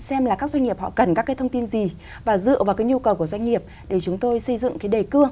xem là các doanh nghiệp họ cần các thông tin gì và dựa vào nhu cầu của doanh nghiệp để chúng tôi xây dựng đề cương